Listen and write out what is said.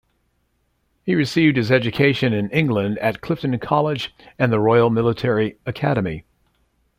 He received his education in England at Clifton College and the Royal Military Academy.